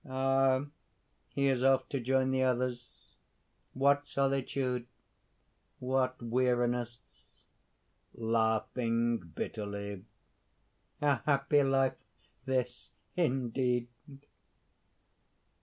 _) "Ah! he is off to join the others. What solitude! what weariness!" (Laughing bitterly.) "A happy life this indeed!